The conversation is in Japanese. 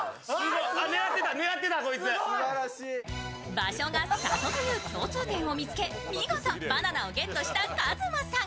場所が里という共通点を見つけ、見事バナナをゲットしたＫＡＺＭＡさん